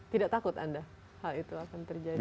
tidak takut anda hal itu akan terjadi